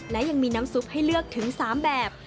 และยังมีน้ำซุปให้เลือกถึง๓แบบ